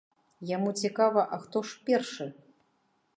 Яму цікава, а хто ж першы.